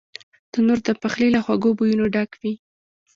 تنور د پخلي له خوږو بویونو ډک وي